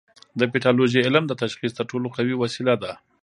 د پیتالوژي علم د تشخیص تر ټولو قوي وسیله ده.